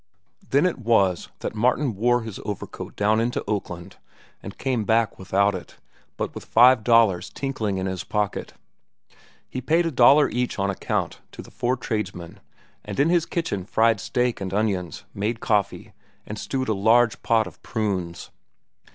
Then it was that Martin wore his overcoat down into Oakland, and came back without it, but with five dollars tinkling in his pocket. He paid a dollar each on account to the four tradesmen, and in his kitchen fried steak and onions, made coffee, and stewed a large pot of prunes.